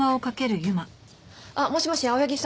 もしもし青柳さん